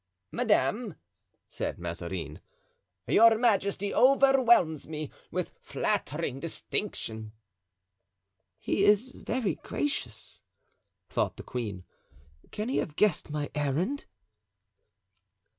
"Madame," said Mazarin, "your majesty overwhelms me with flattering distinction." "He is very gracious," thought the queen; "can he have guessed my errand?"